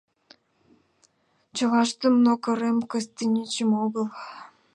Чылаштым но Корем Кыстинчим огыл.